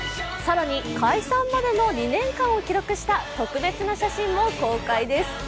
更に、解散までの２年間を記録した特別な写真も公開です。